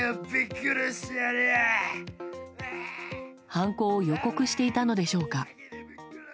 犯行を予告していたのでしょうか。